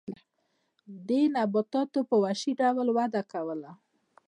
دې نباتاتو په وحشي ډول وده کوله.